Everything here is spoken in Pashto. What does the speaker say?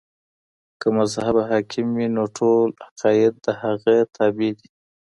که مذهب حاکم وي نو ټول عقايد د هغه تابع دي.